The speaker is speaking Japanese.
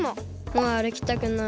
もうあるきたくない。